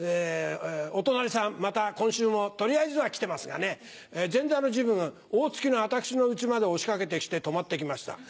お隣さんまた今週も取りあえずは来てますがね前座の時分大月の私の家まで押し掛けて来て泊まって行きました。